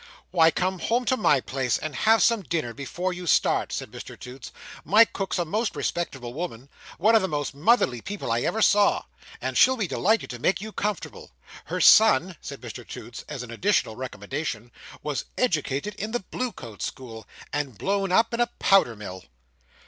"Why, come home to my place, and have some dinner before you start," said Mr Toots. "My cook's a most respectable woman—one of the most motherly people I ever saw—and she'll be delighted to make you comfortable. Her son," said Mr Toots, as an additional recommendation, "was educated in the Bluecoat School, and blown up in a powder mill."